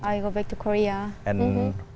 bahwa saya ingin mengingatkan kepada anda